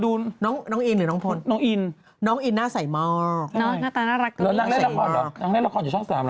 อืมอืมอืมอืมอืมอืมอืมอืม